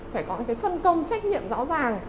phải có phân công trách nhiệm rõ ràng